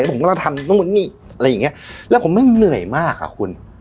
แล้วผมก็ต้องทำอะไรอย่างเงี้ยแล้วผมไม่เหนื่อยมากอ่ะคุณ